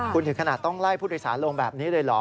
คุณถึงขนาดต้องไล่ผู้โดยสารลงแบบนี้เลยเหรอ